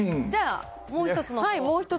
じゃあ、もう一つのほう。